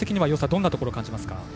どんなところ感じますか？